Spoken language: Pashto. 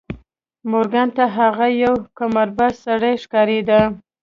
مورګان ته هغه یو قمارباز سړی ښکارېده